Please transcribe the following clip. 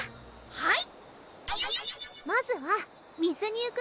はい！